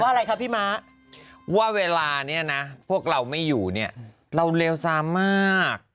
อะไรคะพี่ม้าว่าเวลาเนี่ยนะพวกเราไม่อยู่เนี่ยเราเลวซามาก